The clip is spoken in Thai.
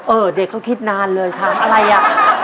เด็กเขาคิดนานเลยถามอะไรอ่ะ